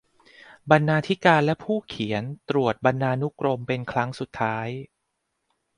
บรรณาธิการและผู้เขียนตรวจบรรณานุกรมเป็นครั้งสุดท้าย